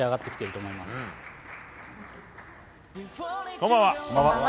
こんばんは。